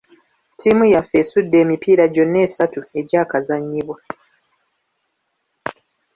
Ttiimu yaffe esudde emipiira gyonna esatu egyakazannyibwa.